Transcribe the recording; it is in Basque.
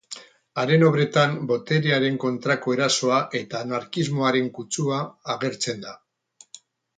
Haren obretan boterearen kontrako erasoa eta anarkismoaren kutsua agertzen da.